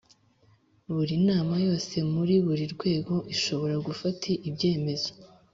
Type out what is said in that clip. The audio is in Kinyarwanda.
Buri nama yose muri buri rwego ishobora gufata ibyemezo